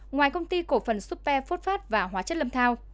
ngoài công ty cổ phần supe phốt phát và hóa chất lâm thao